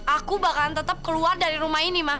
aku bakalan tetap keluar dari rumah ini